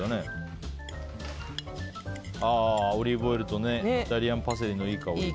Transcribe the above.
オリーブオイルとイタリアンパセリのいい香り。